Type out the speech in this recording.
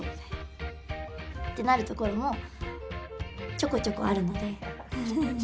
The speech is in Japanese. なるところもちょこちょこあるので。